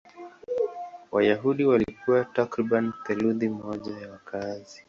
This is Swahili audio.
Wayahudi walikuwa takriban theluthi moja ya wakazi.